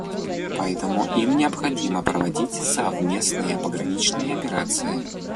Поэтому им необходимо проводить совместные пограничные операции.